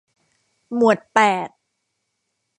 หมวดแปด